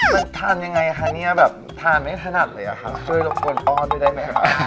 มันทานยังไงค่ะนี่แบบทานไม่ถนัดเลยอะค่ะ